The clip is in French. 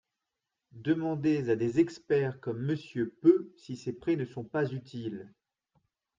Demandez à des experts comme Monsieur Peu si ces prêts ne sont pas utiles